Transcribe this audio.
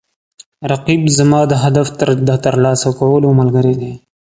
رقیب زما د هدف د ترلاسه کولو ملګری دی